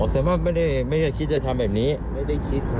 อ๋ออ๋อแสดงว่าไม่ได้ไม่ได้คิดจะทำแบบนี้ไม่ได้คิดค่ะ